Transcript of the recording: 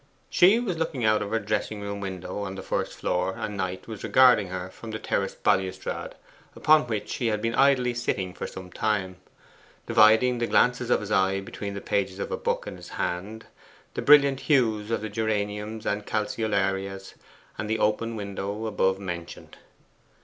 She was looking out of her dressing room window on the first floor, and Knight was regarding her from the terrace balustrade, upon which he had been idly sitting for some time dividing the glances of his eye between the pages of a book in his hand, the brilliant hues of the geraniums and calceolarias, and the open window above mentioned.